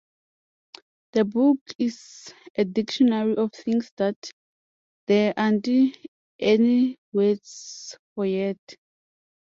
The book is a "dictionary of things that there aren't any words for yet".